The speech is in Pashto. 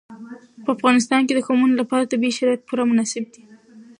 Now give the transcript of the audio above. په افغانستان کې د قومونه لپاره طبیعي شرایط پوره مناسب دي.